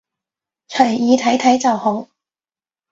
隨意睇睇就好